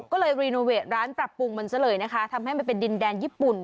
ก็เลยรีโนเวทร้านปรับปรุงมันซะเลยนะคะทำให้มันเป็นดินแดนญี่ปุ่น